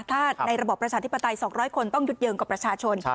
ถ้าในระบอบประชาธิปไตย๒๐๐คนต้องยึดเยินกับประชาชน